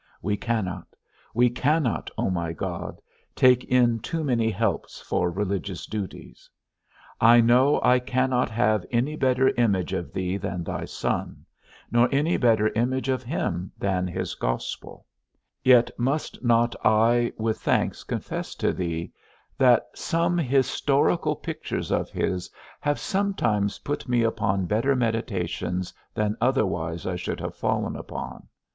We cannot, we cannot, O my God, take in too many helps for religious duties; I know I cannot have any better image of thee than thy Son, nor any better image of him than his Gospel; yet must not I with thanks confess to thee, that some historical pictures of his have sometimes put me upon better meditations than otherwise I should have fallen upon?